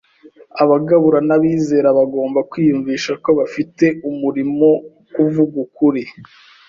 abagabura n’abizera bagomba kwiyumvisha ko bafite umurimo wokuvuga ukuri